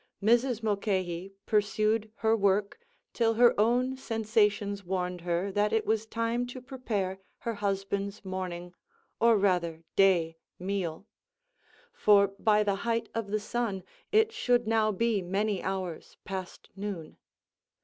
Mrs. Mulcahy pursued her work till her own sensations warned her that it was time to prepare her husband's morning or rather day meal; for by the height of the sun it should now be many hours past noon.